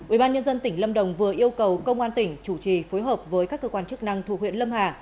ubnd tỉnh lâm đồng vừa yêu cầu công an tỉnh chủ trì phối hợp với các cơ quan chức năng thuộc huyện lâm hà